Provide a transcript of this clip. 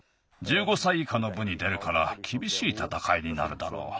１５歳いかのぶに出るからきびしいたたかいになるだろう。